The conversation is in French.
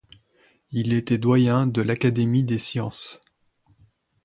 Il était doyen de l'Académie des sciences.